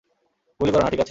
গুলি করো না, ঠিক আছে?